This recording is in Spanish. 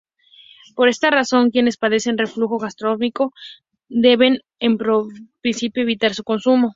Por esta razón, quienes padecen reflujo gastroesofágico deben en principio evitar su consumo.